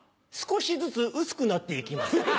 少しずつ薄くなって行きます。